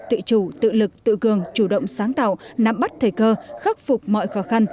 tự chủ tự lực tự cường chủ động sáng tạo nắm bắt thời cơ khắc phục mọi khó khăn